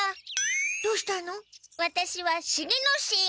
どうしたの？